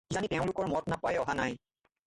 কিজানি তেওঁলোকৰ মত নাপায়েই অহা নাই!